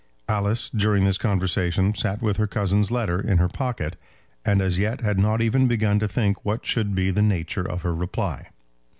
Alice during this conversation, sat with her cousin's letter in her pocket, and as yet had not even begun to think what should be the nature of her reply.